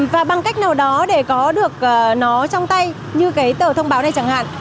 và bằng cách nào đó để có được nó trong tay như cái tờ thông báo này chẳng hạn